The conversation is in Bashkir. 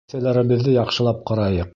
Кеҫәләребеҙҙе яҡшылап ҡарайыҡ!